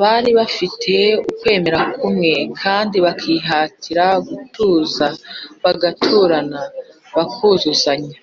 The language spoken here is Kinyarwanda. bari bafite ukwemera kumwe kandi bakihatira gutuza bagaturana, bakuzuzanya